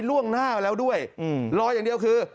ล่วงหน้าแล้วด้วยรออย่างเดียวคือ